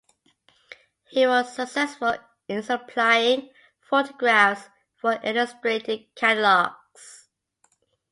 He was successful in supplying photographs for illustrated catalogues.